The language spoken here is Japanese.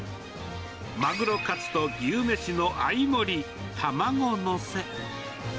マグロカツと牛めしの合い盛り、卵載せ。